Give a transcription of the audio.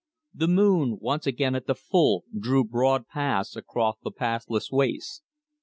The moon, once again at the full, drew broad paths across the pathless waste.